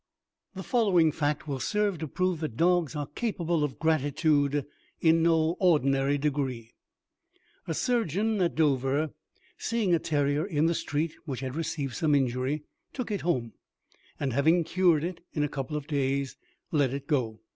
The following fact will serve to prove that dogs are capable of gratitude in no ordinary degree: A surgeon at Dover, seeing a terrier in the street which had received some injury, took it home; and having cured it in a couple of days, let it go.